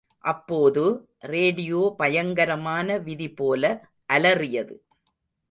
அப்போது, ரேடியோ பயங்கரமான விதி போல அலறியது.